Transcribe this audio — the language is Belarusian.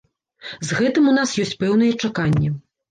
З гэтым у нас ёсць пэўныя чаканні.